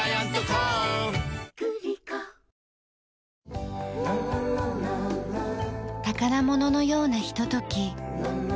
登場！宝物のようなひととき。